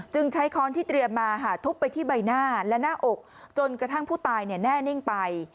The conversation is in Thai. ใช้ค้อนที่เตรียมมาทุบไปที่ใบหน้าและหน้าอกจนกระทั่งผู้ตายแน่นิ่งไป